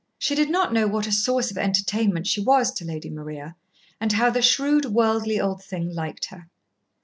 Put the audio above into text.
She did not know what a source of entertainment she was to Lady Maria, and how the shrewd, worldly old thing liked her.